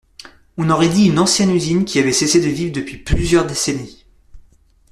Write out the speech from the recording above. On aurait dit une ancienne usine qui avait cessé de vivre depuis plusieurs décennies.